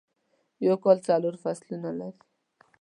یوکال څلورفصلونه لري ..